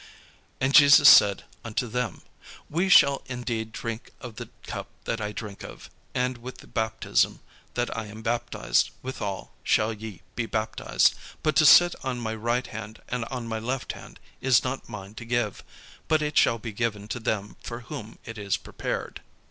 And Jesus said unto them, "Ye shall indeed drink of the cup that I drink of; and with the baptism that I am baptized withal shall ye be baptized: but to sit on my right hand and on my left hand is not mine to give; but it shall be given to them for whom it is prepared."